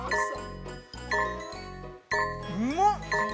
◆うまっ！